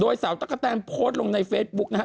โดยสาวตั๊กกะแตนโพสต์ลงในเฟซบุ๊กนะฮะ